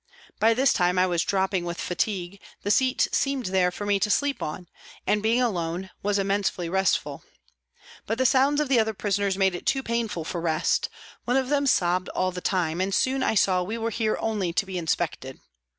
By this time I was dropping with fatigue, the seat seemed there for me to sleep on, and being alone was immensely restful. But the sounds of the other prisoners made it too painful for rest ; one of them sobbed all the time, and soon I saw we were here only to be inspected.